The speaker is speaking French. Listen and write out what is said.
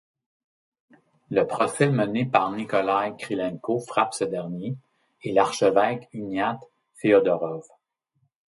Le procès mené par Nikolaï Krylenko frappe ce dernier, et l'archevêque uniate, Feodorov.